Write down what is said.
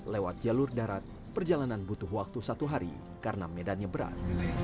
lewat jalur darat perjalanan butuh waktu satu hari karena medannya berat